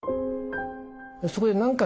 そこで何かね